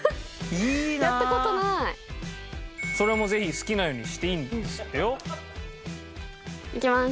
それもぜひ好きなようにしていいんですってよ。いきます。